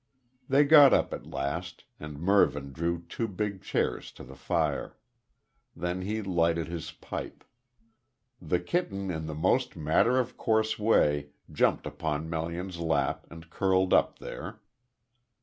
They got up at last, and Mervyn drew two big chairs to the fire. Then he lighted his pipe. The kitten in the most matter of course way jumped upon Melian's lap and curled up there.